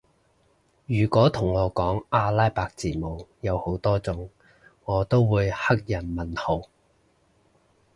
如果同我講阿拉伯字母有好多種我都會黑人問號